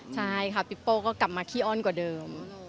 ใช่ค่ะปิ๊ปโป้ก็กลับมาขี้อ้อนกว่าเดิม